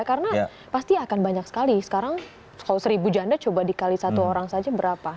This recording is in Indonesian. karena pasti akan banyak sekali sekarang kalau seribu janda coba dikali satu orang saja berapa